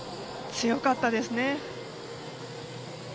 強かったですね。